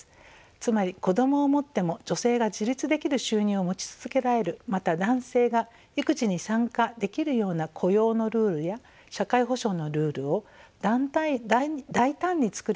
つまり子どもを持っても女性が自立できる収入を持ち続けられるまた男性が育児に参加できるような雇用のルールや社会保障のルールを大胆につくり直す政策です。